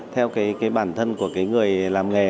theo cái bản thân của cái người làm nghề